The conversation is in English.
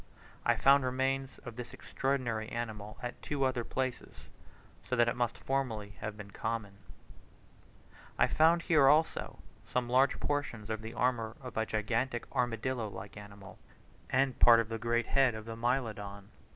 I found remains of this extraordinary animal at two other places, so that it must formerly have been common. I found here, also, some large portions of the armour of a gigantic armadillo like animal, and part of the great head of a Mylodon.